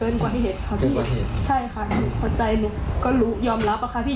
กว่าเหตุค่ะพี่ใช่ค่ะพอใจหนูก็รู้ยอมรับอะค่ะพี่